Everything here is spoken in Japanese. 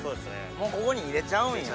もうここに入れちゃうんや。